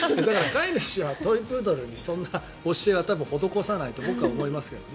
飼い主はトイプードルにそんな教えは施さないと僕は思いますけどね。